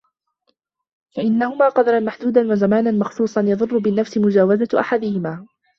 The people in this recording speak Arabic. فَإِنَّ لَهُمَا قَدْرًا مَحْدُودًا وَزَمَانًا مَخْصُوصًا يَضُرُّ بِالنَّفْسِ مُجَاوَزَةُ أَحَدِهِمَا